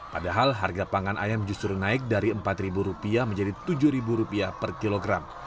padahal harga pangan ayam justru naik dari empat rupiah menjadi tujuh rupiah per kilogram